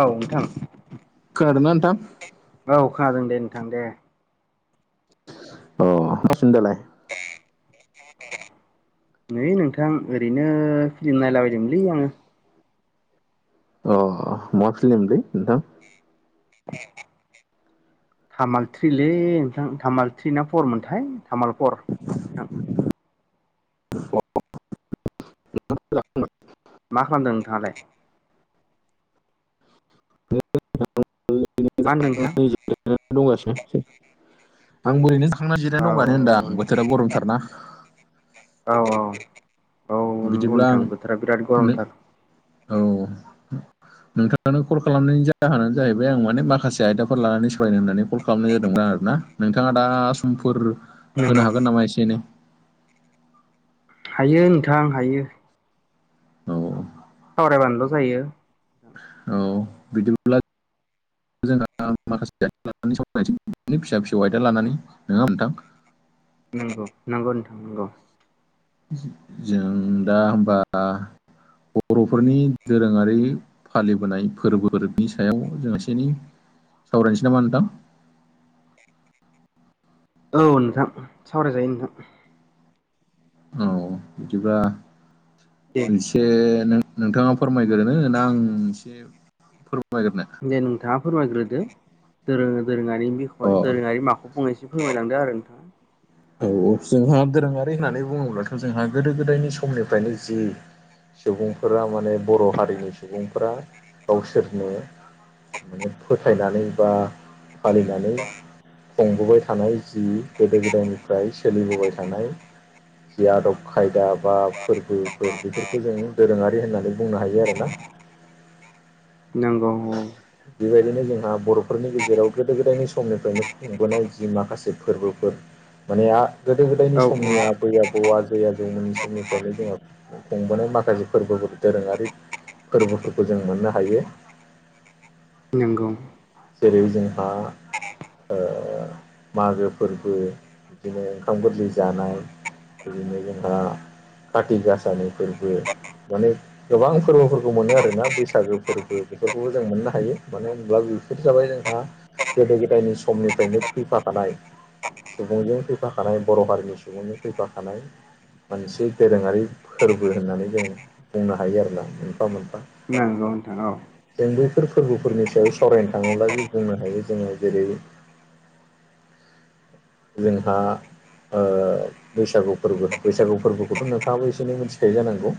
औ नोंथां खोनादोंना नोंथां औ खोनादों दे नोंथां दे अ बासिन दालाय [unintelligible] नै नोंथां ओरैनो फिलिम नायलाबायदोंमोनलै आङो अ मा फिल्म लै नोंथां [inaudible] तामालथ्रि लै नोंथां तामालथ्रि ना फरमोनथाय तामालपर [unintelligible] मा खालामदों नोंथाङालाय [unintelligible] आं मा होनदों नोंथां ओरैनो थांना औ जिरायनाय दं होनदां बोथोरा गरमथारना [unintelligible] औ औ औ नंगौ बिदिब्ला आं नोंथां बोथोरा बिराद नों गरमथार औ नोंथांनानो कल खालामनायनि जाहोनानो जाहैबाय आं माने माखासे से आयदाफोर लानानै सिहायनो होननानै कल खालामनाय जादोंमोन आरोना नोंथाङा दा समफोर नंगौ होनो हागोन नामा एसे एनै हायो नोंथां हायो औ सावरायबानोथ जायो औ बिदिब्ला जोंहा माखासे [unintelligible] लानानै सावनाय फिसा फिसौ आयदा लानानै नोङा नोंथां नोंगौ नंगौ नोंथां नंगौ जों दा होमबा बरफोरनि दोरोङारि फालिबोनाय फोरबोनि सायाव जों एसे एनै सावरायनोसै नामा नोंथां औ नोंथां सावरायजायो नोंथां औ बिदिबा दे मोनसे नों नोंथाङा फोरमायग्रोनो ना आं एसे फोरमायग्रोनो दे नोंथाङा फोरमायग्रोदो दोरो दोरोङारि अ बिसय दोरोङारि माख फंनैसो फोरमायलांदो आरो नोंथाङा औ जोंहा दोरोङारि होननानै बुङोब्लाथ' जोंहा गोदो गोदायनि समनिफ्रायनो जि सुबुंफोरा माने बर' हारिनि सुबुंफोरा गावसोरनो माने फोथायनानै बा फालिनानै खुंबोबाय थानाय जि गोदो गोदायनिफ्राय सोलिबोबाय थानाय जि आदब खायदा बा फोरबोफोर बेफोरखौ जों दोरोङारि होननानै बुंनो हायो आरोना नोंगौ औ बेबायदिनो जोंहा बर'फोरनि गेजेराव गोदो गोदायनि समनिफ्रायनो खुंबोनाय जि माखासे फोरबोफोर माने आ गोदो औ गोदायनि समनि आबै आबौ बौ आजै आजौमोननि समनिफ्रायनो जोङो खुंबोनाय माखासे फोरबोफोर दोरोङारि फोरबोफोरखौ जों मोननो हायो। नोंगौ। जेरै जोंहा ओ मागो फोरबो बिदिनो ओंखाम गोरलै जानाय बिदिनो जोंहा काति गासानि फोरबो माने गोबां फोरबोफोरखौ मोनो आरोना बैसागो फोरबो बेफोरखौबो जों मोननो हायो मानो होनब्ला बेफोर जाबाय जोंहा गोदो गोदायनि समनिफ्रायनो फैफाखानाय सुबुंजों फैफाखानाय बर' हारिनि सुबुंजों फैफाखानाय मोनसे दोरोङारि फोरबो होननानै जों बुंनो हायो आरोना मोनफा मोनफा नोंगौ नोंथां औ जों बैफोर फोरबोफोरनि सायाव सवरायनो थाङोब्ला जों बुंनो हायो जोङो जेरै जोंहा ओ बैसागु फोरबो बैसागु फोरबोखौथ' नोंथाङाबो एसे एनै मिथिखायो जानांगौ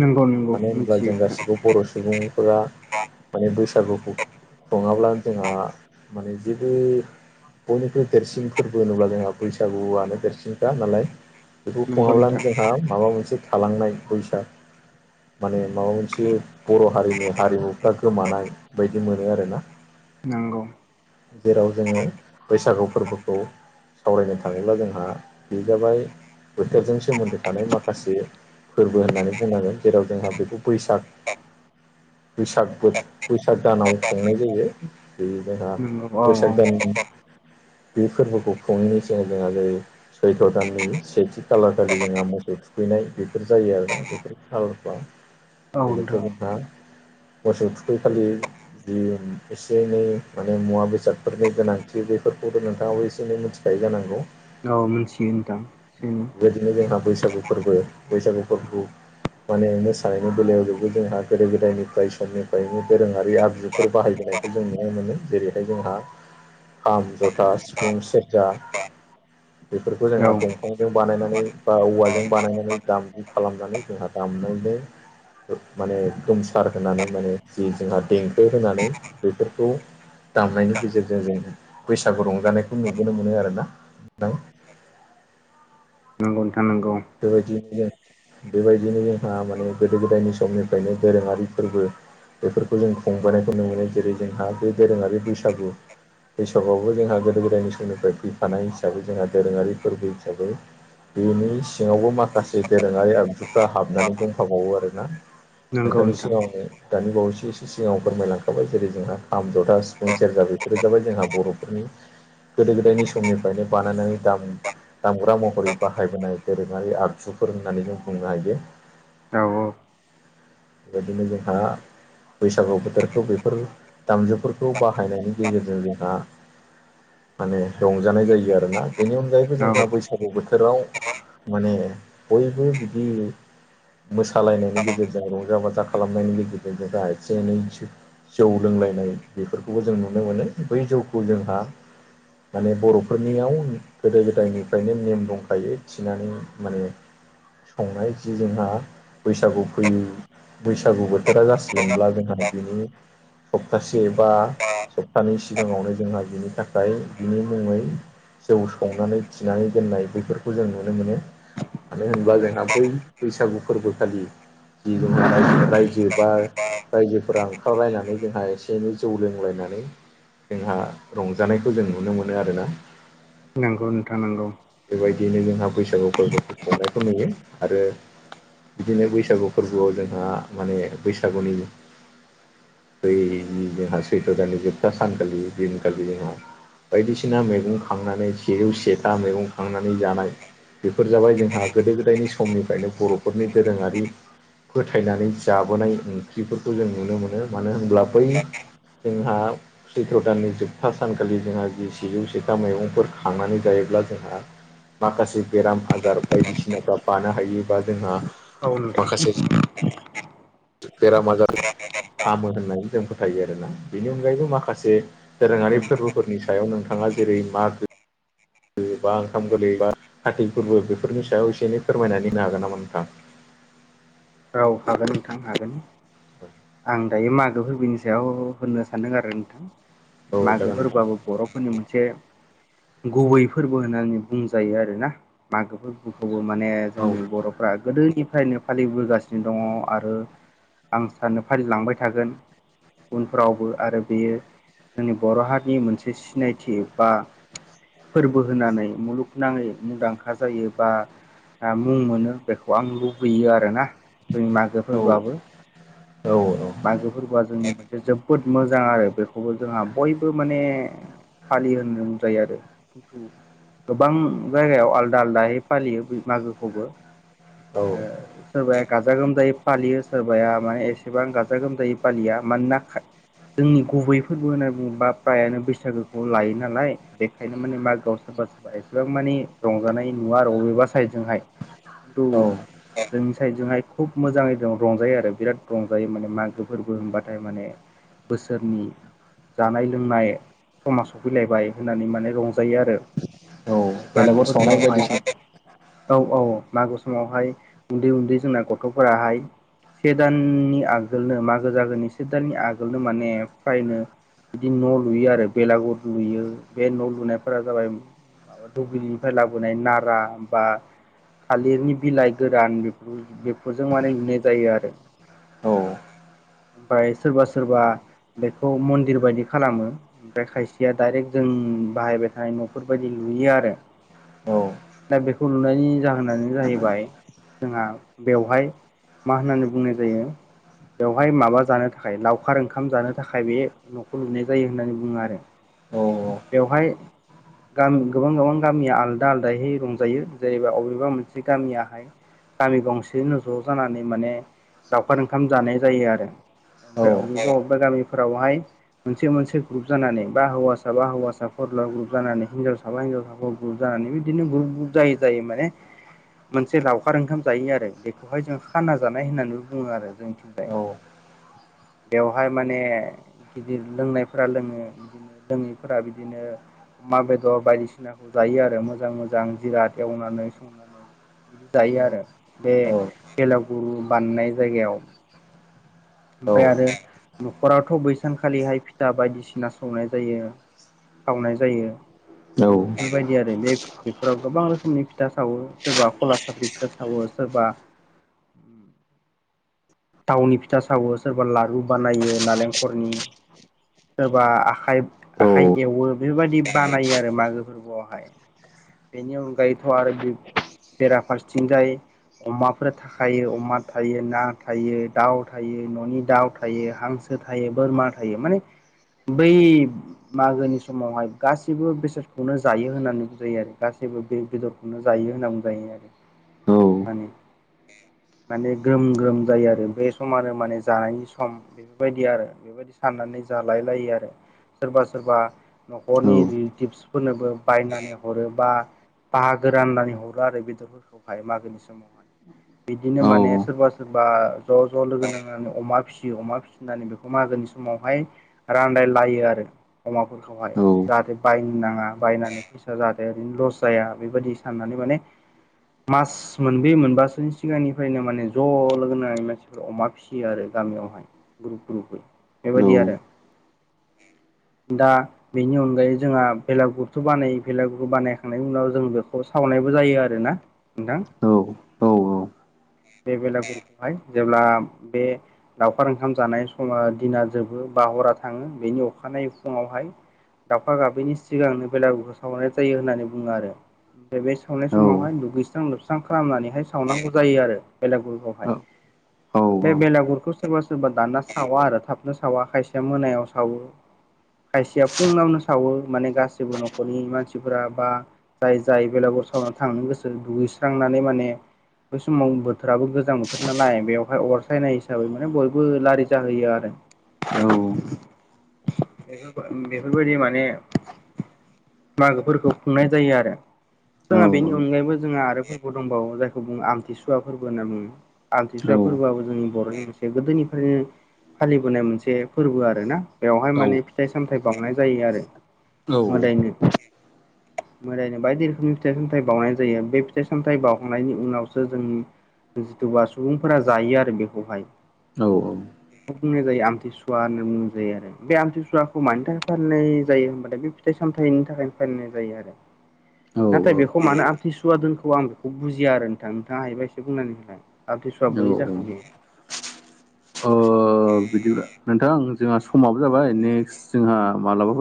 नंगौ नंगौ मानो होनब्ला मिथियो जों नोंथां गासिबो बर' सुबुंफोरा माने बैसागुखौ नङाब्लानो जोंहा माने जेबो बयनिख्रुइ देरसिन फोरबो होनोब्ला जोंहा बैसागुआनो देरसिनखा नालाय बेखौ नंगौ नोंथां खुङाब्लानो जोंहा माबा मोनसे थालांनाय फैसा माने माबा मोनसे बर' हारिनि हारिमुफ्रा गोमानाय बायदि मो‌ नो आरोना नंगौ जेराव जोङो बैसागु फोरबोखौ सावरायनो थाङोब्ला जोंहा बे जाबाय बोथोरजों सोमोन्दो थानाय माखासे फोरबो होननानै बुंनांगोन जेराव जोंहा बेखौ बैसाग बैसाग बो बैसाग दानाव खुंनाय जायो बे जोंहा नंगौ औ औ बैसाग दाननि बे फोरबोखौ खुंनायनि सिगां जोंहा जेरै सैथ' दाननि सेथि खालार दालि जोंहा मोसौ थुखैनाय बेफोर जायो आरोना बेफोर खालारफ्रा औ बेनिफ्राय नोंथां जोंहा मोसौ थुखैखालि जि एसे एनै माने मुवा बेसादफोरनि गोनांथि बेफोरखौबो नोंथाङाबो एसे एनै मिथिखायो जानांगौ। औ मिथियो होनथां एसे एनै बेबायदिनो जोंहा बैसागु फोरबो बैसागु फोरबोखौ माने मोसानायनि बेलायाव जबो जोंहा गोदो गोदायनिफ्राय समनिफ्रायनो दोरोङारि आगजु फोर बाहायबोनायखौ जों नुनो मोनो जेरैहाय जोंहा खाम जथा सिफुं सेरजा बेफोरखौ जोंहा औ दंफांजों बानायनानै बा औवाजों बानायनानै दामु खालामनानै जोंहा दामनायनि माने गोमसार होनानै माने जि जोंहा देंखो होनानै बेफोरखौ दामनायनि गेजेरजों जों बैसागु रंजानायखौ नुबोनो मोनो आरोना नोंथां। नोंगौ नोंथां नोंगौ बेबायदियैनो जों बेबायदिनो जोंहा माने गोदो गोदायनि समनिफ्रायनो दोरोङारि फोरबो बेफोरखौ जों खुंबोनायखौ ननो मोनो जेरै जोंहा बे दोरोङारि बैसागु बैसागुआबो जोंहा गोदो गोदायनि समनिफ्राय फैफानाय हिसाबै जोंहा दोरोङारि फोरबो हिसाबै बेनि सिङावबो माखासे दोरोङारि आगजुफ्रा हाबनानै दंफाबावो आरोना। नंगौ नोंथांनि नोंथां सिगाङावनो दानि बावैसो एसे सिगाङाव फोरमायलांखाबाय जेरै जोंहा खाम जथा सिफुं सेरजा बेफोरो जाबाय जोंहा बर'फोरनि गोदो गोदायनि समनिफ्रायनो बानायनानैा दाम-दामग्रा महरै बाहायबोनाय दोरोङारि आगजुफोर होननानै जों बुंनो हायो औ औ बेबायदिनो जोंहा बैसागु बोथोरखौ बेफोर दामजुफोरखौ बाहायनायनि गेजेरजों जोंहा माने रंजानाय जायो आरोना बेनि अनगायैबो औ जोंहा बैसागु बोथोराव माने बयबो बिदि मोसालायनायनि गेजेरजों रंजा बाजा खालामनायनि गेजेरजों जों दा एसे एनै जौ लोंलायनाय बेफोरखौबो जों नुनो मोनो बै जौखौ जोंहा माने बर'फोरनियाव गोदो गोदायनिफ्रायनो नेम दंखायो नानै माने संनाय जि जोंहा बैसागु फैयो बैसागु बोथोरा जासिगोनब्ला जोंहा बिनि सप्तासे बा सप्तानै सिगाङावनो जोंहा बिनि थाखाय बिनि मुङै जौ संनानै थिनानै दोननाय बेफोरखौ जों नुनो मोनो मानो होनोबा जोंहा बै बैसागु फोरबोखालि [inaudible] रायजो रायजो बा रायजोफोरा ओंखारलायनानै जोंहा एसे एनै जौ लोंलायनानै जोंहा रंजानायखौ जों नुनो मोनो आरोना नंगौ नोंथां नंगौ बेबायदियैनो जोंहा बैसागु फोरबोफोरखौ खुंनायखौ नुयो आरो बिदिनो बैसागु फोरबोआव जोंहा माने बैसागुनि बै जोंहा सैथ्र' दानानि जोबथा सानखालि दिनखालि जोंहा बायदिसिना मैगं खांनानै सेजौ सेथा मैगं खांनानै जानाय बेफोर जाबाय जोंहा गोदो गोदायनि समनिफ्रायनो बर'फोरनि दोरोङारि फोथायनानै जाबोनाय ओंख्रिफोरखौ जों नुनो मोनो मानो होनब्ला बै जोंहा सैथ्र' दाननि जोबथा सानखालि जोंहा जि सेजौ सिथा मैगंफोर खांनानै जायोब्ला जोंहा माखासे बेराम आजार बायदिसिनाफ्रा बानो हायोबा जोंहा औ नोंथां माखासे बेराम आजार हामो होननानै जों फोथायो आरोना बेनि अनगायैबो माखासे नंगौ दोरोङारि नोंथां फोरबोफोरनि सायाव नोंथाङा जेरै मागो बा ओंखाम गोरलै बा खाथि फोरबो बेफोरनि सायाव एसे एनै फोरमायनानै होनो हागोन नामा नोंथां औ हागोन नोंथां हागोन औ आं दायो मागो फोरबोनि सायाव होननो सानदों आरो नोंथां। औ जागोन मागोफोरआबो बर'फोरनि मोन से गुबै फोरबो होननानै बुंजायो आरो ना? मागो फोरखौबो माने नोंथां औ जोंनि बर'फोरा फ्रा गोदोनिफ्रायनो फालिबोगासिनो दङ' आरो आं रानो फालि लांबाय थागोन। उनफ्रावबो आरो बेयो जोंनि बर' हारिनि मोनसे सिनायथि बा फोरबो होनानै मुलुगनाङै मुंदांखा जायो बा ओ मुं मोनो बेखौ आं लुबैयो आरोना जों औ मागोफोरबोआबो। औ मागो फोरबोआ जोंनि मोनसे जोबोद मोजां आरो बेखौबो जोंहा बयबो माने फालियो होन जायो आरो। गोबां जायगायाव आलदा आलदायै फालियो ओ मागोखौबो औ ओ सोरबाया गाजा गोमजायै फालियो सोरबाया माने एसे एबा आं गाजा गोमजायै फालिया मानोना जोंनि गुबै फोरबो होनना बुङोबा फ्रायानो बैसागोखौ लायो नालाय बेखायनो माने मागोआव सोरबा सोरबा एसेबां माने रंजानाय नुवा आरो बबेबा साइदजोंहाय। खिन्थु औ जोंनि साइडजोंहाय खुब मोजाङै रंजायो आरो बिराद रंजायो माने मागो फोरबो होनबाथाय माने बोसोरनि जानाय लोंनाय समा सफैलायबाय होननानै माने रंजायो आरो। औ ओ मागो बेलागुर सावनाय फोरबोआवहाय बायदिसिना औ औ मागो समावहाय उन्दै उन्दै जोंना गथ'फोराहाय से दान नि आगोलनो मागो जागोननि से दाननि आगोलनो माने फ्रायनो बिदि न' लुयो आरो बेलागुर लुयो बे न' लुनायफोरा जाबाय। माबा दुब्लिनिफ्राय लाबोनाय नारा बा थालिरनि बिलाइ गोरान बेफोर बेफोरजों माने लुनाय जायो आरो औ ओमफ्राय सोरबा सोरबा बेखौ ओ मन्दिर बायदि खालामो ओमफ्राय खायसेया डायरेक्ट जों बाहायबाय थानाय न'फोरबायदि लुयो आरो। औ दा बेखौ लुनायनि जाहोनानो जाहैबाय जोंहा बेवहाय मा होननानै बुंनाय जायो। बेवहाय माबा जानो थाखाय लावखार ओंखाम जानो थाखाय बेयो न'खौ लुनाय जायो होननानै बुङो आरो औ बेवहाय। गामि गोबां गोबां गामिया आलदा आलदायै रंजायो जेनेबा अबेबा मोनसे गामियाहाय गामि गंसेनो ज' जानानै माने ओ लावखार ओंखाम जानाय जायो आरो ओमफ्राय औ अबेबा बबेबा गामिफोरावहाय मोनसे मोनसे ग्रुप जानानै बा हौवासा बा हौवासा फरला ग्रुप जानानै हिनजावसाखौ माबा‌ साबफा हिनजाव साबाखौ ग्रुब जानानै बिदिनो ग्रुुब ग्रुुब जायै जायै माने मोनसे लावखार ओंखाम जायो आरो बेखौहाय जों खाना जानाय होननानै बुङो। बुङो आरो जोंनि थिंजायो बेवहाय माने गिदिर लोंनायफोरा लोङो बिदि बिदिनो लोङैफोरा बिदिनो अमा बेदर बायदिसि दिसिनाखौ जायो आरो मोजां मोजां जिराद एवनानै संनानै। बिदि जायो आरो बे बेलागुरु बानायनाय जायगायावो ओमफ्राय आरो न'खरावथ' बैसानखालिहाय फिथा बायदिसिना सौनाय जायोना सावनाय जायो बेफोरबादि बिदि आरो बे बेफोराव गोबां रोखोमनि फिथा सावो सोरबा खला साफ्रि फिथा सावो सोरबाबा थावनि फिथा सावो सोरबा लारु बानायो नालेंखरनि ओ सोरबा आखाइ आखाइ एवो बेबायदि बानायो आरो मागो फोरबोआवहाय। बेनि अनगायैथ' आरो। बेराफारसेथिंजाय अमाफोर थाखायो अमा थायो ना। थायो दाउ थायो न'नि दाउ थायो हांसो थायो बोरमा थायो माने। बै मागोनि समावहाय गासैबो बेसादखौनो जायो होननानै बुंजायो आरो गासैबो बे बेदर जायो होननानै जायो माने माने ग्रोम ग्रोम जायो आरो बे समानो आरो माने जानायनि सम बेफोरबायदि आरो बेबायदि साननानै जालाय लायो आरो सोरबा सोरबा न'खरनि रिलेटिबस फोरनोबो बायनानै हरो बा बाहागो राननानै हरो आरो बेदरफोरखौ मागोनि समावहाय बिदिनो माने सोरबा सोरबा बा ज' ज' लोगो नांनानै अमा फिसियो अमा फिसिनानै बेखौ मागोनि समावहाय रानलायलायो आरो अमाफोरखौहाय जाहाथे बायनो नाङा बायनानै फैसा जाहाथे ओरैनो लस जाया बेबायदि साननानै माने मास मोनब्रै मोनबासोनि सिगांनिफ्रायनो माने ज लोगो नांनानै मानसिफोरा अमा फिसियो आरो गामियावहाय ग्रुप ग्रुपै बेबायदि आरो दा बेनि अनगायै जोंहा भेलागुरथ बानायो बेलागुर बानायखांनायनि उनाव जों बेखौ सावनायबो जायो आरोना नोंथां औ औ बे बेलागुरखौहाय जेब्ला बे लाउखार ओंखाम जानाय समा दिना जोबो बा हरा थाङो बेनि अखानायै फुङावहाय दाफा गाबैनि सिगांनो बेलागुरखौ सावरायनाय जायो होननानै बुङो आरो ओमफ्राय बे सावनाय समावहाय दुगैस्रां लोबस्रां खालामनानैहाय सावनांगौ जायो आरो बेलागुुरखौहाय औ बे औ बेलागुरखौ सोरबा सोरबा दाना सावा आरो थाबनो सावा खायसेया मोनायाव सावो खायसेया फुङावनो सावो माने गासैबो न'खरनि मानसिफोरा बा जाय जाय बेलागुर सावनानै थांनो गोसो दुगैस्रांनानै माने बै समाव बोथोराबो गोजां बोथोर नालाय बेवहाय अरसायनाय हिसाबै माने बयबो लारि जाहैयो आरो औ बेफोरबायदि माने मागोफोरखौ खुंनाय जायो आरो जोंहा बेनि अनगायैबो जोंहा आरो फोरबो दंबावो जायखौ बुङो आमथिसुवा फोरबो होनना बुङो आमथिसुवा फोरबोआबो जोंनि बर'नि मोनसे गोदोनिफ्रायनो फालिबोनाय मोनसे फोरबो आरोना बेवहाय माने फिथाइ सामथाइ बावनाय जायो आरो मोदायनो [inaudible] मोदायनो बायदि रोखोमनि फिथाइ सामथाइ बावनाय जायो बे फिथाइ सामथाइ बावनायनि उनावसो जोंनि जिथुबा सुबुंफोरा जायो आरो बेखौहाय औ औ बुंनाय जायो आमथिसुवा होनना बुंनाय जायो आरो बे आमथिसुवाखौ मानि थाखाय फालिनाय जायो होनबालथाय बे फिथाइ सामथाइनि थाखायनो फालिनाय जायो आरो नाथाय बेखौ मानो आंथिनि सुवा दोनखौ आं बेखौ बुजिया आरो नोंथां नोंथाङा हायोबा एसे बुंनानै होनलाय आमथिसुवा बोरै जाखो बेयो ओ बिदिब्ला नोंथां जोंहा समाबो जाबाय नेक्स्ट जोंहा मालाबाफोर